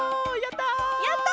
やった！